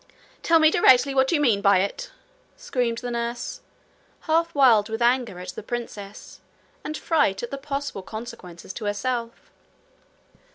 'Tell me directly what you mean by it!' screamed the nurse, half wild with anger at the princess and fright at the possible consequences to herself.